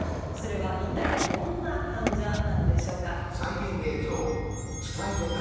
それは一体どんな患者なのでしょうか？